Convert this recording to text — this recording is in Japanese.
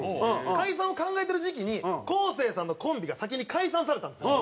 解散を考えてる時期に昴生さんのコンビが先に解散されたんですよ。